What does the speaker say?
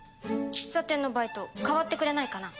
喫茶店のバイト代わってくれないかな？